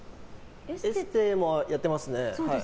エステもやってますね。